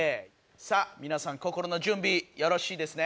さあ皆さん心の準備よろしいですね？